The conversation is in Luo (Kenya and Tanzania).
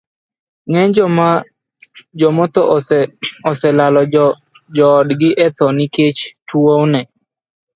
Ng'eny jomotho oselalo joodgi etho nikech tuwono.